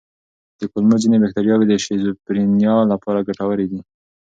د کولمو ځینې بکتریاوې د شیزوفرینیا لپاره ګټورې دي.